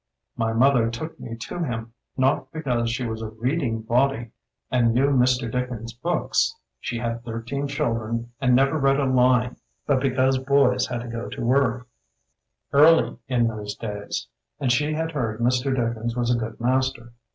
My mother took me to him not because she was a reading body and knew Mr. Dickens's books — she had thirteen children and never read a line — but because boys had to go to work 49 60 THE BOOKMAN early in those days, and she had heard Mr. Dickens was a good master.